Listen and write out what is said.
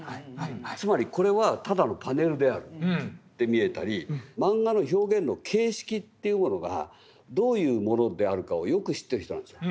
つまりこれはただのパネルであるって見えたりマンガの表現の形式というものがどういうものであるかをよく知ってる人なんですよ。